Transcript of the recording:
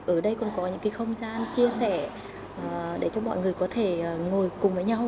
ở đây còn có những không gian chia sẻ để cho mọi người có thể ngồi cùng với nhau